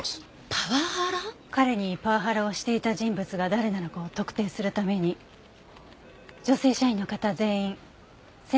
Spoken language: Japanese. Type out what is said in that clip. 彼にパワハラをしていた人物が誰なのかを特定するために女性社員の方全員声紋検査を受けてください。